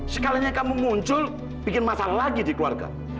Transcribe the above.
sekalinya kamu muncul bikin masalah lagi di keluarga